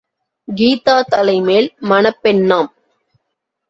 கீதா தலைமேல் மணப்பெண்ணாம்.